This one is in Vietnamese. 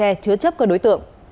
pháp luật sẽ chứa chấp các đối tượng